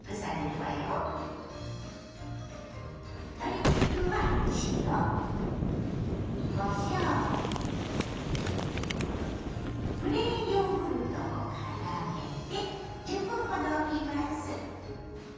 鶏肉は塩こしょうプレーンヨーグルトをからめて１０分ほどおきます。